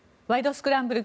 スクランブル」